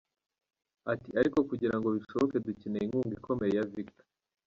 Ati ariko kugirango bishoboke dukeneye inkunga ikomeye ya Victor.